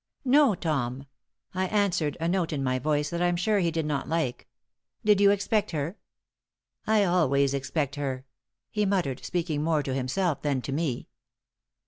"No, Tom," I answered, a note in my voice that I'm sure he did not like. "Did you expect her?" "I always expect her," he muttered, speaking more to himself than to me.